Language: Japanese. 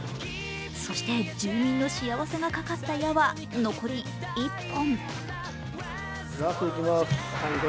そして、住民の幸せがかかった矢は残り１本。